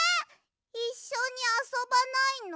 いっしょにあそばないの？